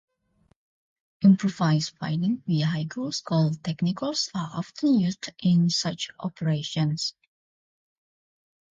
Improvised fighting vehicles called "technicals" are often used in such operations.